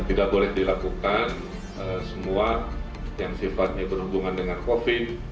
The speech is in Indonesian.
tidak boleh dilakukan semua yang sifatnya berhubungan dengan covid